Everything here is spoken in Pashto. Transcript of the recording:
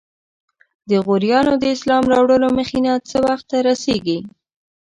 د غوریانو د اسلام راوړلو مخینه څه وخت ته رسیږي؟